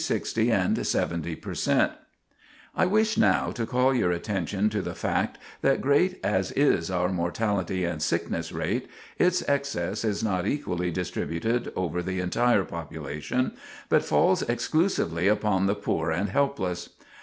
[Sidenote: Where the Death Pressure Is Greatest] I wish now to call your attention to the fact that great as is our mortality and sickness rate, its excess is not equally distributed over the entire population, but falls exclusively upon the poor and helpless.